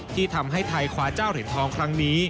ที่ทำให้ไทยคว้าเจ้าเหรียญทองครั้งนี้